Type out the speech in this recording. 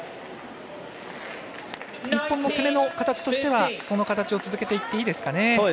日本の攻めの形としてはその形を続けていっていいですかね。